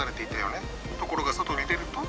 ところが外に出ると。